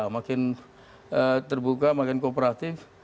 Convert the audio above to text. makin terbuka makin kooperatif